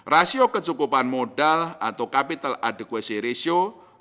rasio kecukupan modal atau capital adequacy ratio